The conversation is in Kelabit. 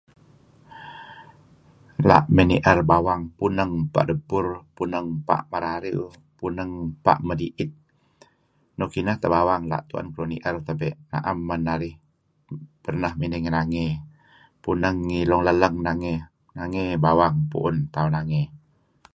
La' mey ni'er bawang puneng ebpa' Debpur, puneng Pa' Marariew, puneng ebpa' Medi'it, nuk ineh teh bawang la' tu'en keduih ni'er tebe' na'em men narih pernah mey ngi nangey. Puneng ngi Long Lellang nangey, nangey bawang pu'un tauh nangey.